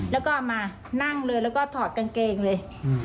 แล้วก็มานั่งเลยแล้วก็ถอดกางเกงเลย